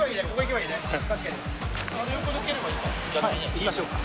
・いきましょうか。